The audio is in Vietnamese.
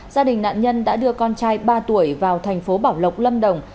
gia đình nạn nhân đã đưa con trai ba tuổi vào thành phố bảo lộc lâm đồng